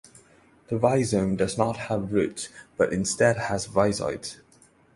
The rhizome does not have roots but instead has rhizoids.